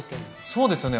そうですよね